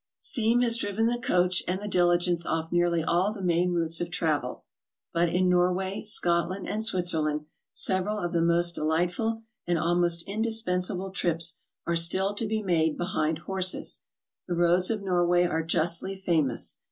Steam has driven the coach and the diligence off nearly all the main routes of travel, but in Norway, Scotland and HOW TO TRAVEL ABROAD. 75 Switzerland several of the most delightful and almost indis pensable trips are still to be made behind horses. The roads of Norway are justly famous.